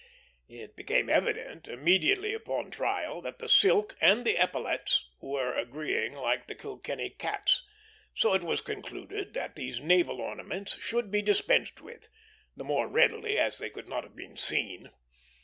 It became evident, immediately upon trial, that the silk and the epaulettes were agreeing like the Kilkenny cats, so it was conceded that these naval ornaments should be dispensed with; the more readily as they could not have been seen.